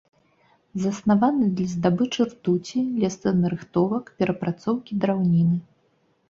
Заснаваны для здабычы ртуці, лесанарыхтовак, перапрацоўкі драўніны.